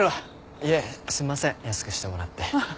いえすみません安くしてもらって。